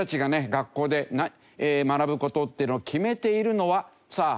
学校で学ぶ事っていうのを決めているのはさあ